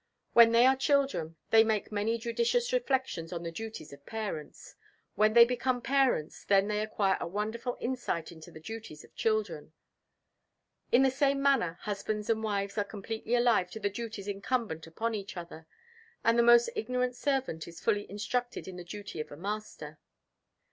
When they are children, they make many judicious reflections on the duties of parents; when they become parents, they then acquire a wonderful insight into the duties of children. In the same manner husbands and wives are completely alive to the duties incumbent upon each other, and the most ignorant servant is fully instructed in the duty of a master.